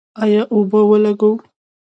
آیا اوبه ولګوو؟